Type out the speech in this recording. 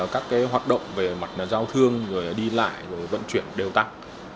các hoạt động về mặt giao thương rồi đi lại rồi vận chuyển đều tăng